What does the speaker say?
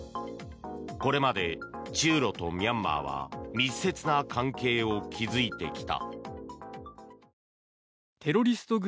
これまで中ロとミャンマーは密接な関係を築いてきた。